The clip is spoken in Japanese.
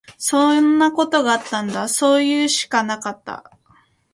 そんなことあったんだ。そういうしかなかった。